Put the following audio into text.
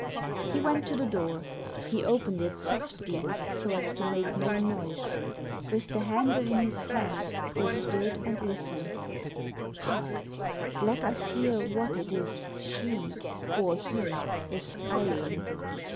He went to the door. He opened it softly, so as to make no noise. With the handle in his hand he stood and listened. "Hark I Let us hear what it is she, or he, is playing."